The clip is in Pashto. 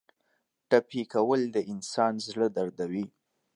ټپي کول د انسان زړه دردوي.